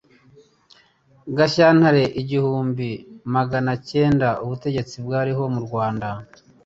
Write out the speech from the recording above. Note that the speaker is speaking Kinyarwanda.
Gashyantare igihumbi amagana cyendana ubutegetsi bwariho mu Rwanda